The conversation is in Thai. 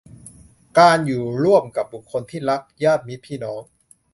การอยู่ร่วมกับบุคคลที่รัก ญาติมิตรพี่น้อง